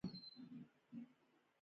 کابل ښايسته ښار دئ.